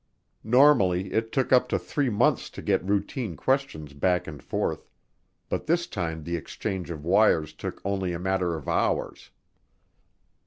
Normally it took up to three months to get routine questions back and forth, but this time the exchange of wires took only a matter of hours.